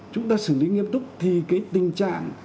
chúng ta xử lý nghiêm túc thì cái tình trạng